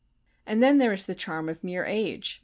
And then there is the charm of mere age.